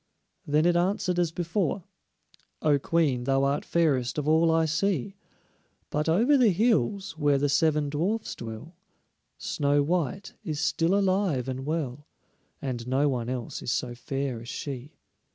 Then it answered as before: "O Queen, thou art fairest of all I see, But over the hills, where the seven dwarfs dwell, Snow white is still alive and well, And no one else is so fair as she."